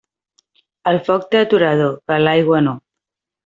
El foc té aturador, que l'aigua no.